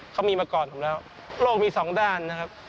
เขามีมาก่อนผมแล้วโลกมีสองด้านนะครับ